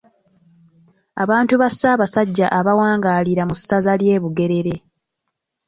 Abantu ba Ssaabasajja abawangaalira mu ssaza ly’e Bugerere.